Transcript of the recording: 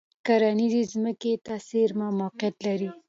کرنیزې ځمکې ته څېرمه موقعیت لري.